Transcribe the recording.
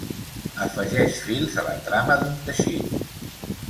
Afegeix fils a la trama d'un teixit.